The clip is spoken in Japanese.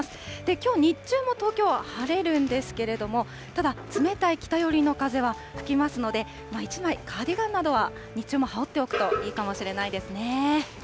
きょう、日中も東京は晴れるんですけれども、ただ、冷たい北寄りの風は吹きますので、１枚カーディガンなどは日中も羽織っておくといいかもしれないですね。